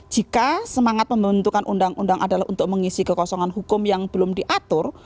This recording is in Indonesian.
jika semangat pembentukan undang undang adalah untuk mengisi kekosongan hukum yang belum diatur